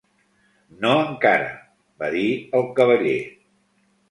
"No encara", va dir el Cavaller.